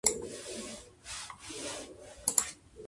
今日のニュースを詳しくチェックしました。